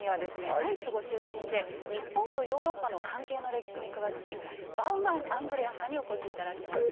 ドイツご出身で日本とヨーロッパの関係の歴史に詳しいバウマン・アンドレアスさんにお越し頂きました。